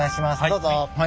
どうぞ。